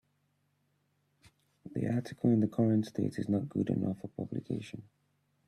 The article in the current state is not good enough for publication.